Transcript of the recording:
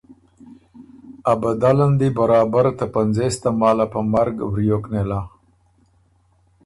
ا بدل ان دی برابر ته پنځېس تماله په مرګ وریوک نېله۔